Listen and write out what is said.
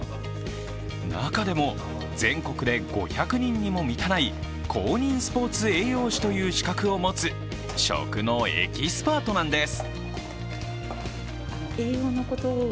中でも、全国で５００人にも満たない公認スポーツ栄養士という資格を持つ食のエキスパートなんです。